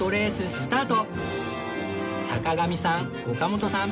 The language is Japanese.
スタート！